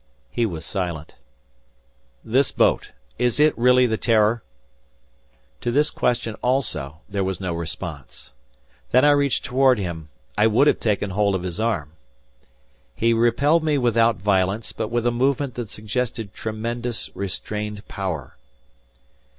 He was silent. "This boat! Is it really the 'Terror?'" To this question also there was no response. Then I reached toward him; I would have taken hold of his arm. He repelled me without violence, but with a movement that suggested tremendous restrained power.